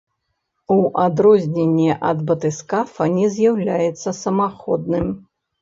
У адрозненне ад батыскафа не з'яўляецца самаходным.